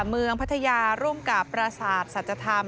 เมืองพัทยาร่วมกับประสาทธรรม